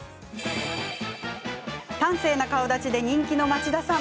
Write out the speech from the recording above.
端正な顔だちで人気の町田さん。